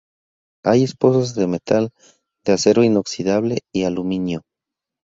Hay esposas de metal, de acero inoxidable y aluminio.